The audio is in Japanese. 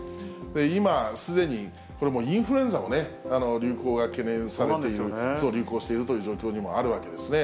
今すでに、これもう、インフルエンザもね、流行が懸念されている、流行しているという状況にあるわけですね。